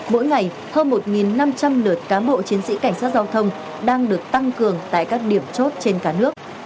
mỗi ngày hơn một năm trăm linh lượt cán bộ chiến sĩ cảnh sát giao thông đang được tăng cường tại các điểm chốt trên cả nước